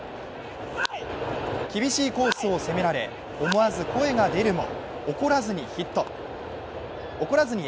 厳しいコースを攻められ思わず声が出るも怒らずに笑顔。